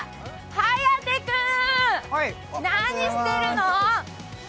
颯君、何してるの？え？